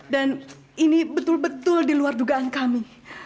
dan ini betul betul diluar dugaan kami